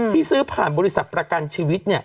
ที่ซื้อผ่านบริษัทประกันชีวิต